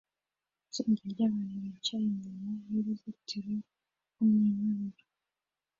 itsinda ryabantu bicaye inyuma yuruzitiro rwumunyururu